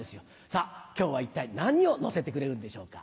さぁ今日は一体何をのせてくれるんでしょうか？